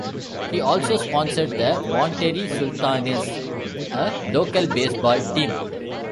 He also sponsored the Monterrey Sultanes, a local baseball team.